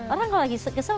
orang kalau lagi kesel